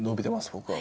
僕は。